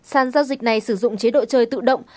sàn giao dịch này sử dụng chế độ chơi tự động